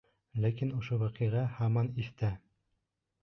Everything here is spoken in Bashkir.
Ләкин ошо ваҡиға һаман иҫтә.